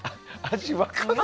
味、分からない